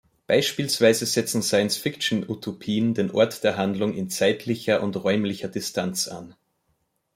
Beispielsweise setzen Science-Fiction-Utopien den Ort der Handlung in zeitlicher und räumlicher Distanz an.